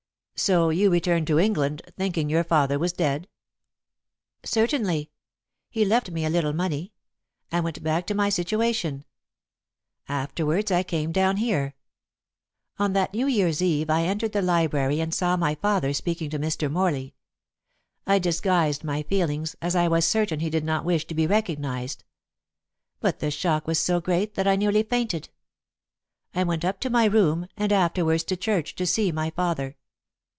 "So you returned to England, thinking your father was dead?" "Certainly. He left me a little money. I went back to my situation. Afterwards I came down here. On that New Year's Eve I entered the library and saw my father speaking to Mr. Morley. I disguised my feelings, as I was certain he did not wish to be recognized. But the shock was so great that I nearly fainted. I went up to my room, and afterwards to church to see my father.